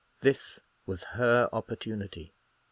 This was her opportunity.